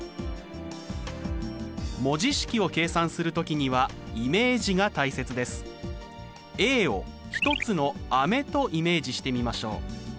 文字式を計算する時にはイメージが大切です。を１つの飴とイメージしてみましょう。